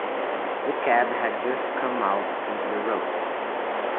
The cab had just come out into the road.